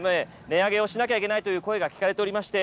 値上げをしなければいけないという声が聞かれておりまして